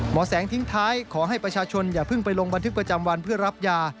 แสงทิ้งท้ายขอให้ประชาชนอย่าเพิ่งไปลงบันทึกประจำวันเพื่อรับยา